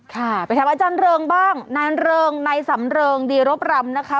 ค่ะไปถามอาจารย์เริงบ้างนายเริงนายสำเริงดีรบรำนะคะ